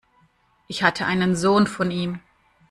Ich hatte einen Sohn von ihm.